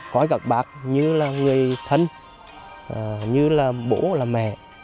coi các bác như là người thân như là bố là mẹ